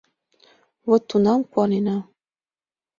Вот тунам канена!